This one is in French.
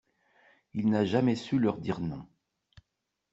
Il n'a jamais su leur dire non.